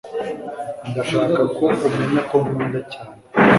Ndashaka ko umenya ko nkunda cyane